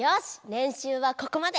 れんしゅうはここまで。